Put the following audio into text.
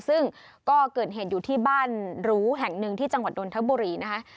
ซึ่งก็เกิดเหตุอยู่ที่บ้านหรูแห่งหนึ่งที่จังหวัดนทบุรีนะคะ